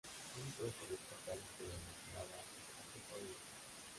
Un trozo de esta calle se denominaba "Estafeta Vieja".